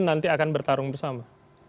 nanti akan bertarung bersama